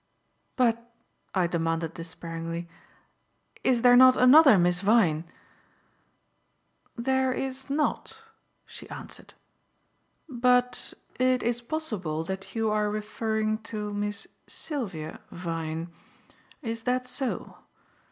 "But," I demanded despairingly, "is there not another Miss Vyne?" "There is not," she answered. "But it is possible that you are referring to Miss Sylvia Vyne. Is that so?"